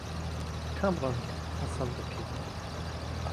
کام ڕەنگ پەسەند دەکەیت؟